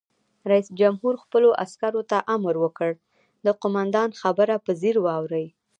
رئیس جمهور خپلو عسکرو ته امر وکړ؛ د قومندان خبره په ځیر واورئ!